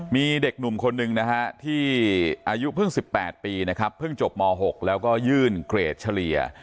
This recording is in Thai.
มีเด็กหนุ่มคนหนึ่งนะฮะที่อายุเพิ่ง๑๘ปีนะครับเพิ่งจบม๖แล้วก็ยื่นเกรดเฉลี่ย